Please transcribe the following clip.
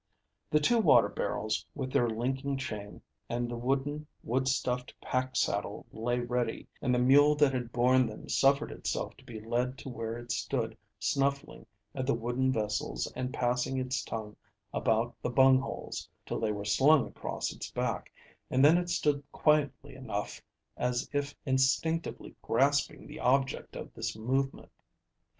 The two water barrels with their linking chain and the wooden wool stuffed pack saddle lay ready, and the mule that had borne them suffered itself to be led to where it stood snuffling at the wooden vessels and passing its tongue about the bung holes, till they were slung across its back, and then it stood quietly enough, as if instinctively grasping the object of this movement.